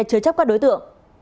chứa chấp các đối tượng